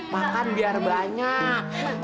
makan biar banyak